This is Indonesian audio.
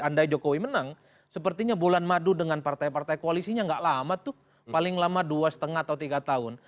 andai jokowi menang sepertinya bulan madu dengan partai partai koalisinya gak lama tuh paling lama dua lima atau tiga tahun